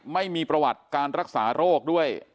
ไม่มีประวัติการรักษาโรคด้วย